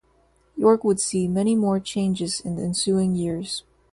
York would see many more changes in the ensuing years.